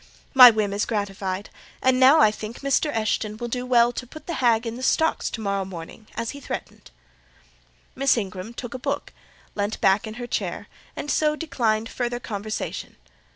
My whim is gratified; and now I think Mr. Eshton will do well to put the hag in the stocks to morrow morning, as he threatened." Miss Ingram took a book, leant back in her chair, and so declined further conversation.